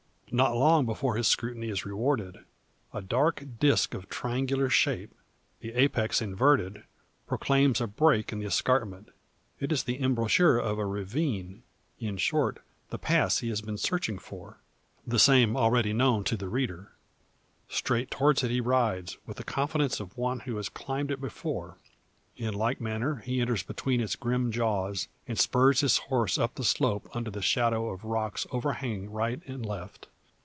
Not long before his scrutiny is rewarded. A dark disc of triangular shape, the apex inverted, proclaims a break in the escarpment. It is the embouchure of a ravine, in short the pass he has been searching for, the same already known to the reader. Straight towards it he rides, with the confidence of one who has climbed it before. In like manner he enters between its grim jaws, and spurs his horse up the slope under the shadow of rocks overhanging right and left.